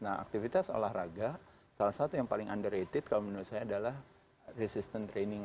nah aktivitas olahraga salah satu yang paling underated kalau menurut saya adalah resistant training